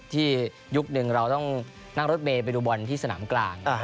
ยุคหนึ่งเราต้องนั่งรถเมย์ไปดูบอลที่สนามกลาง